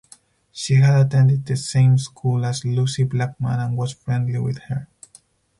She had attended the same school as Lucie Blackman and was friendly with her.